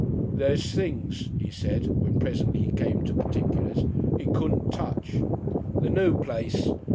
"There's things," he said, when presently he came to particulars, "'e couldn't touch. The noo place!